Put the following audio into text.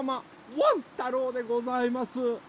ワン太郎でございます！